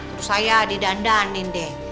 terus saya didandani deh